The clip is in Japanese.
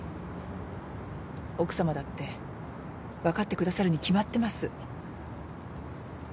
奥さまだって分かってくださるに決まってます。